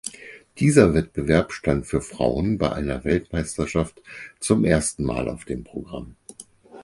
Dieser Wettbewerb stand für Frauen bei einer Weltmeisterschaft zum ersten Mal auf dem Programm.